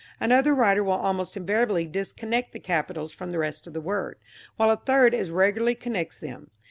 Another writer will almost invariably disconnect the capitals from the rest of the word, while a third as regularly connects them.